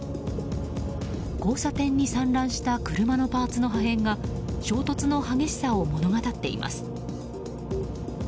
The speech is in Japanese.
交差点に散乱した車のパーツの破片が衝突の激しさを物語っています。